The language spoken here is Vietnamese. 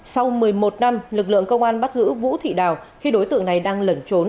sau một mươi một năm lực lượng công an bắt giữ vũ thị đào khi đối tượng này đang lẩn trốn